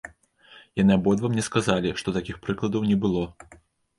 Яны абодва мне сказалі, што такіх прыкладаў не было.